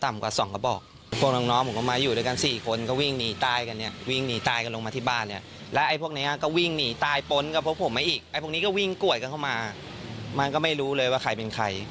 มันก็ไม่รู้เลยว่าใครเป็นใคร